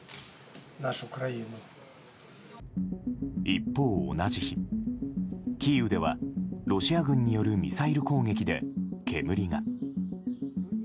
一方、同じ日キーウではロシア軍によるミサイル攻撃で、煙が。